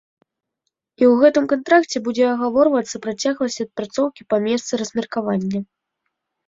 І ў гэтым кантракце будзе агаворвацца працягласць адпрацоўкі па месцы размеркавання.